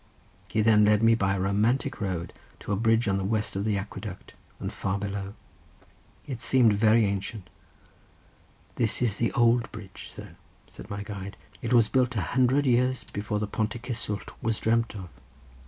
He then led me by a romantic road to a bridge on the west of the aqueduct, and far below. It seemed very ancient. "This is the old bridge, sir," said my guide; "it was built a hundred years before the Pont y Cysswllt was dreamt of."